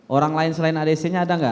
orang lain selain adc nya ada nggak